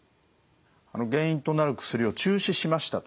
原因となる薬を中止しましたと。